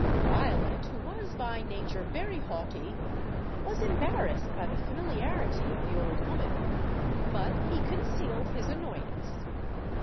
Violent, who was by nature very haughty, was embarrassed by the familiarity of the old woman; but he concealed his annoyance.